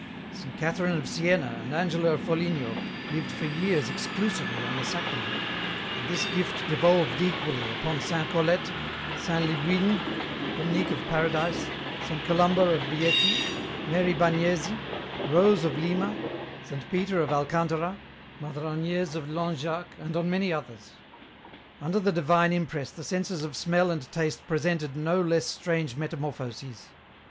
" Saint Catherine of Sienna and Angela of Foligno lived for years exclusively on the Sacrament ; and this gift devolved equally upon Saint Colette, Saint Lidwine, Dominic of Paradise, Saint Columba of Rieti, Mary Bagnesi, Rose of Lima, Saint Peter of Alcantara, Mother Agnes of Langeac and on many others. " Under the divine impress the senses of smell and taste presented no less strange metamorphoses.